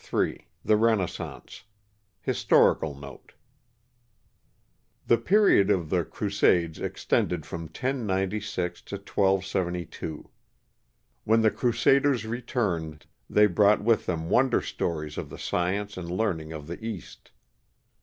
O Ill THE RENAISSANCE HISTORICAL NOTE The period of the crusades extended from 1096 to 1272. When the crusaders returned, they brought with them won der stories of the science and learning of the East.